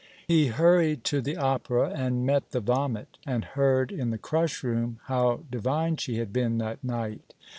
He hurried to the Opera and met the vomit, and heard in the crushroom how divine she had been that night.